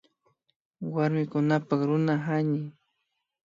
Warmikunapak Runa hañiy